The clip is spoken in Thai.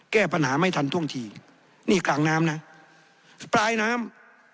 แก้ปัญหาไม่ทันท่วงทีนี่กลางน้ำนะปลายน้ำ